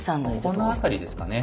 ここの辺りですかね？